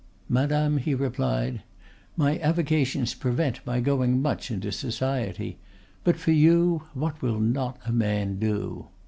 "Madame," he replied, "my avocations prevent my going much into society; but for you, what will not a man do?"